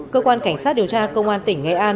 cơ quan cảnh sát điều tra công an tỉnh nghệ an